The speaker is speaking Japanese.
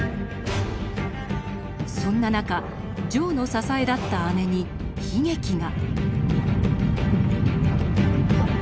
そんな中丈の支えだった姉に悲劇が。